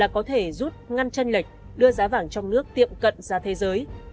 có thể rút ngăn tranh lệch đưa giá vàng trong nước tiệm cận ra thế giới